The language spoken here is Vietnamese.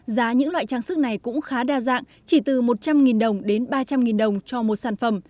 giá những loại trang sức này cũng khá đa dạng chỉ từ một trăm linh đồng đến ba trăm linh đồng cho một sản phẩm